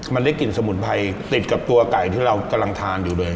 มันได้กลิ่นสมุนไพรติดกับตัวไก่ที่เรากำลังทานอยู่เลย